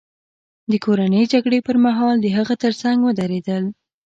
د کورنۍ جګړې پرمهال د هغه ترڅنګ ودرېدل.